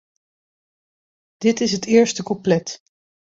Dit is het eerste couplet.